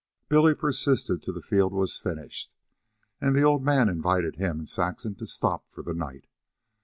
Billy persisted till the field was finished, and the old man invited him and Saxon to stop for the night.